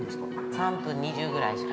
◆３分２０ぐらいしか。